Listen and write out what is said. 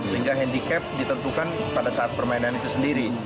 sehingga handicap ditentukan pada saat permainan itu sendiri